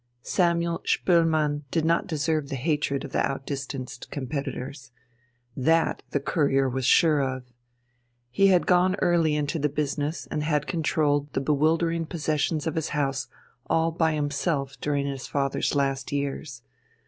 Samuel Spoelmann did not deserve the hatred of the out distanced competitors; that the Courier was sure of. He had gone early into the business, and had controlled the bewildering possessions of his house all by himself during his father's last years.